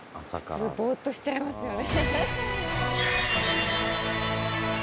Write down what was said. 普通ボッとしちゃいますよね。